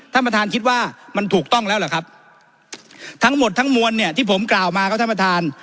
ท่านประธานคิดว่ามันถูกต้องแล้วเหรอครับทั้งหมดทั้งมวลเนี่ยที่ผมกล่าวมาครับท่านประธาน